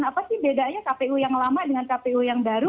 apa sih bedanya kpu yang lama dengan kpu yang baru